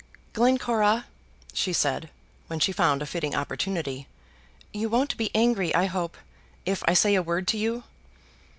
"Glencora," she said, when she found a fitting opportunity, "you won't be angry, I hope, if I say a word to you?"